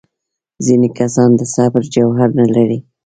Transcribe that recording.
ځینې کسان د صبر جوهر نه لري.